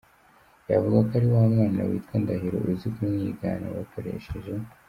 Yavuga ko ari wa mwana witwa Ndahiro uzi kumwigana bakoresheje?